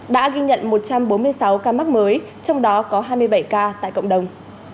đã ghi nhận một trăm bốn mươi sáu ca mắc mới trong đó có hai mươi bảy ca tại cộng đồng